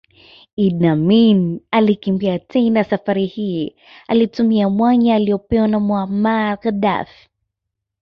Idi Amin alikimbia tena Safari hii alitumia mwanya aliopewa na Muammar Gaddafi